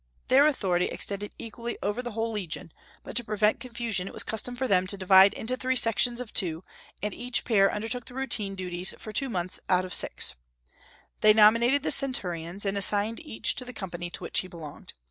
Their authority extended equally over the whole legion; but to prevent confusion, it was the custom for them to divide into three sections of two, and each pair undertook the routine duties for two months out of six; they nominated the centurions, and assigned each to the company to which he belonged.